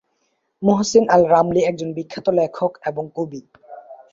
Muhsin Al Ramli একজন বিখ্যাত লেখক এবং কবি।